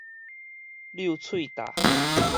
遛喙罩